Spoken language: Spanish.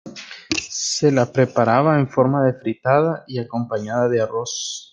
Se la preparaba en forma de fritada y acompañada de arroz.